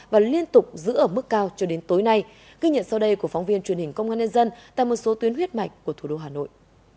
và liên tục giữ ở mức cao cho đến tối nay ghi nhận sau đây của phóng viên truyền hình công an nhân dân tại một số tuyến huyết mạch của thủ đô hà nội